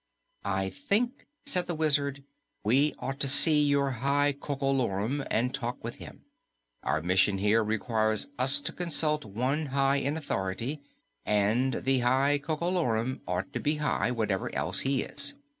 "I think," said the Wizard, "we ought to see your High Coco Lorum and talk with him. Our mission here requires us to consult one high in authority, and the High Coco Lorum ought to be high, whatever else he is."